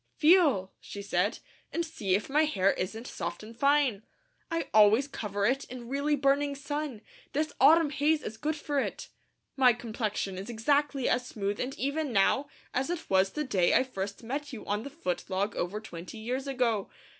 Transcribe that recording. "Feel," she said, "and see if my hair isn't soft and fine. I always cover it in really burning sun; this autumn haze is good for it. My complexion is exactly as smooth and even now, as it was the day I first met you on the footlog over twenty years ago.